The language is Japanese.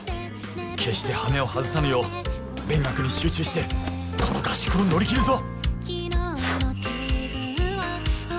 決してハメを外さぬよう勉学に集中してこの合宿を乗り切るぞ！